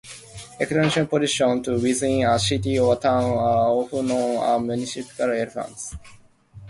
Elections to positions within a city or town are often known as "municipal elections".